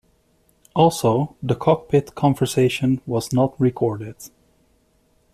Also, the cockpit conversation was not recorded.